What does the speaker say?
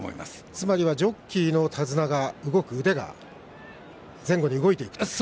つまりはジョッキーの手綱が動く腕が前後に動いていく。